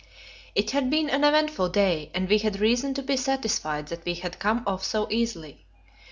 It had been an eventful day, and we had reason to be satisfied that we had come off so easily.